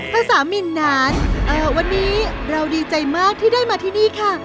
สามินนานวันนี้เราดีใจมากที่ได้มาที่นี่ค่ะ